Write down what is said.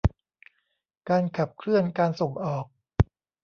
การขับเคลื่อนการส่งออก